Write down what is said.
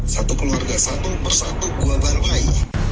satu keluarga satu bersatu gue bantai